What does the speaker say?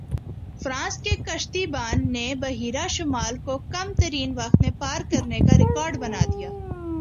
France کے کشتی بان نے بحیرہ شمال کو کم ترین وقت میں پار کرنے کا ریکارڈ بنا دیا